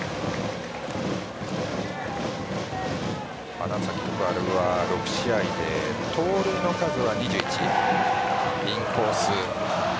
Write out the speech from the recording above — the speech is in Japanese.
花咲徳栄は６試合で盗塁の数は２１。